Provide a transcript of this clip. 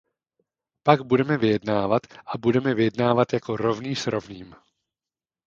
Pak budeme vyjednávat a budeme vyjednávat jako rovný s rovným.